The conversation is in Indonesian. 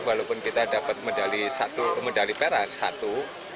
walaupun kita dapat medali perak satu